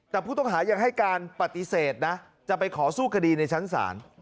แต่ผู้ต้องหายังให้การปฏิเสธนะจะไปขอสู้คดีในชั้นศาล